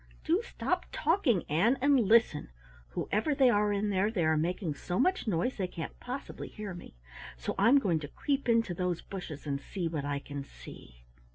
"Do stop talking, Ann, and listen. Whoever they are in there, they are making so much noise they can't possibly hear me, so I'm going to creep into those bushes and see what I can see."